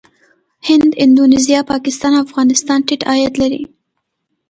هند، اندونیزیا، پاکستان او افغانستان ټيټ عاید لري.